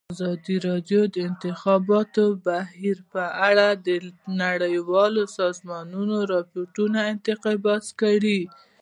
ازادي راډیو د د انتخاباتو بهیر په اړه د نړیوالو سازمانونو راپورونه اقتباس کړي.